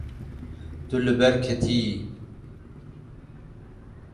Tu li ber ketiyî.